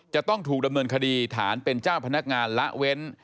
จะต้องถูกดำเนินคดีฐานเป็นเจ้าพนักงานละเว้น